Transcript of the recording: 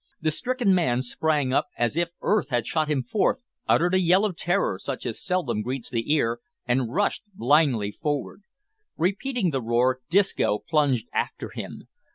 The stricken man sprang up as if earth had shot him forth, uttered a yell of terror such as seldom greets the ear, and rushed blindly forward. Repeating the roar, Disco plunged after him.